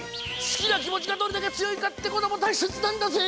すきなきもちがどれだけつよいかってこともたいせつなんだぜ！